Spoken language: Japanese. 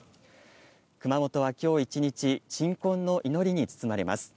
熊本は今日一日、鎮魂の祈りに包まれます。